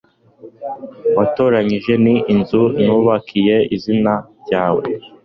watoranyije n inzu nubakiye izina ryawe